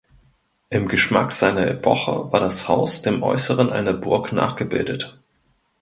Im Geschmack seiner Epoche war das Haus dem Äußeren einer Burg nachgebildet.